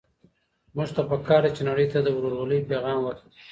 موږ ته په کار ده چي نړۍ ته د ورورولۍ پيغام ورکړو.